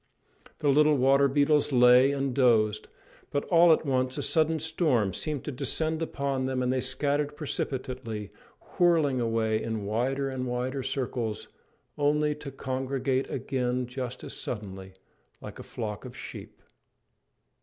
The little water beetles lay and dozed; but all at once a sudden storm seemed to descend upon them and they scattered precipitately, whirling away in wider and wider circles, only to congregate again just as suddenly, like a flock of sheep.